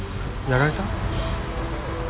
やられた？